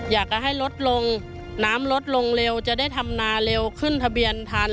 อยากจะให้ลดลงน้ำลดลงเร็วจะได้ทำนาเร็วขึ้นทะเบียนทัน